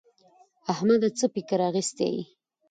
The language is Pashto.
احمده څه فکر اخيستی يې؟